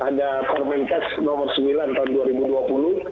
ada permenkes nomor sembilan tahun dua ribu dua puluh